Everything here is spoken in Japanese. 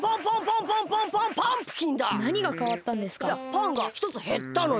パンがひとつへったのよ！